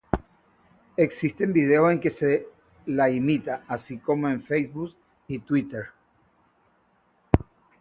Existen videos en que se la imita, así como en Facebook y Twitter.